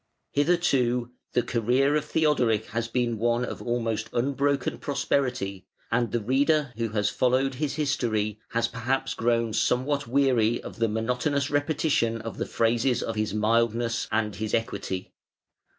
Hithero the career of Theodoric has been one of almost unbroken prosperity, and the reader who has followed his history has perhaps grown somewhat weary of the monotonous repetition of the praises of his mildness and his equity.